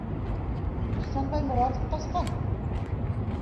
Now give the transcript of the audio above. Ихсанбай Моратов ҡасҡан.